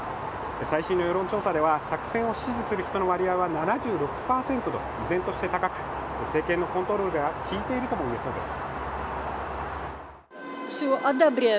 最新の世論調査では作戦を支持する人の割合は７６％と依然として高く、政権のコントロールがきいているとも言えそうです。